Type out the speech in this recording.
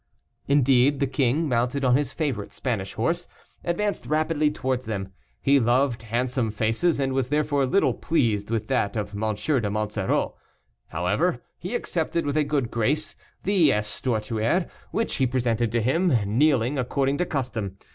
Indeed, the king, mounted on his favorite Spanish horse, advanced rapidly towards them. He loved handsome faces, and was therefore little pleased with that of M. de Monsoreau. However, he accepted, with a good grace, the éstortuaire which he presented to him, kneeling, according to custom.